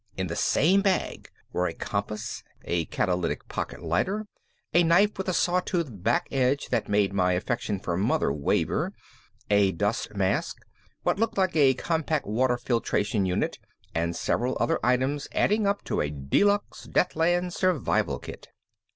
In the same bag were a compass, a catalytic pocket lighter, a knife with a saw tooth back edge that made my affection for Mother waver, a dust mask, what looked like a compact water filtration unit, and several other items adding up to a deluxe Deathlands Survival Kit.